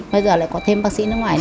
bây giờ lại có thêm bác sĩ nước ngoài